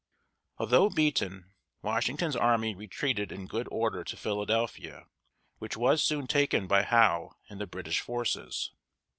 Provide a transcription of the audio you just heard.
Although beaten, Washington's army retreated in good order to Philadelphia, which was soon taken by Howe and the British forces.